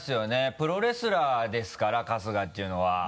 プロレスラーですから春日っていうのは。